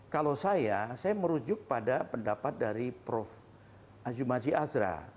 kalau saya saya merujuk pada pendapat dari prof azumaji azra